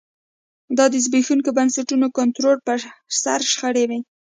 دا د زبېښونکو بنسټونو کنټرول پر سر شخړې وې